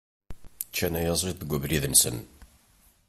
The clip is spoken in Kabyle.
Ččan ayaziḍ deg ubrid-nsen.